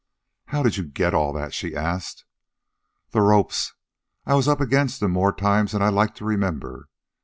"How did you get all that?" she asked. "The ropes. I was up against 'em more times than I like to remember.